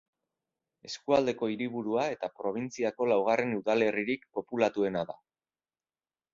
Eskualdeko hiriburua eta probintziako laugarren udalerririk populatuena da.